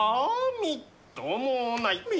みっともない。